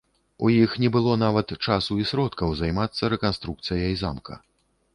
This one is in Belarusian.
У іх не было нават часу і сродкаў займацца рэканструкцыяй замка.